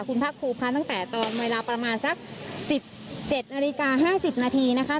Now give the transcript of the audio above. คุณภาคภูมิค่ะตั้งแต่ตอนเวลาประมาณสัก๑๗นาฬิกา๕๐นาทีนะคะ